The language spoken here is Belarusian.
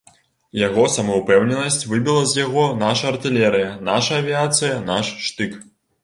Яго самаўпэўненасць выбіла з яго наша артылерыя, наша авіяцыя, наш штык.